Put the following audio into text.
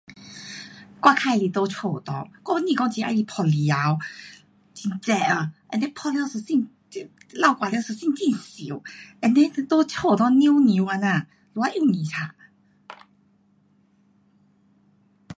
我较喜欢在家的内，我不讲很喜欢嗮日头，很热啊，and then 嗮了身体，这流汗了身体很痒。and then 你在家内凉凉这样，多容易操。